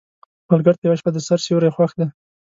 سوالګر ته یوه شپه د سر سیوری خوښ دی